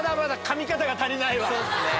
そうっすね。